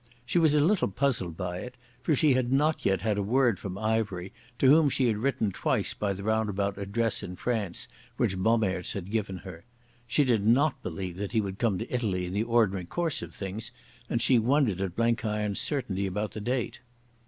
She was a little puzzled by it, for she had not yet had a word from Ivery, to whom she had written twice by the roundabout address in France which Bommaerts had given her. She did not believe that he would come to Italy in the ordinary course of things, and she wondered at Blenkiron's certainty about the date.